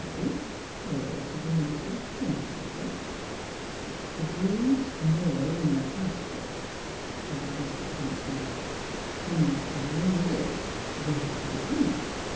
" Well? " correlated the minister, tentatively. '' The breed's more'n the pastur'," quoted Mr. Trimmer, smartly. " Whose child is it! Where 'd you git him?